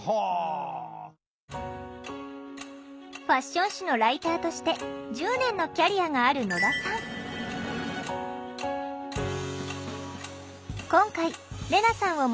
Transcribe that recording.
ファッション誌のライターとして１０年のキャリアがある野田さん。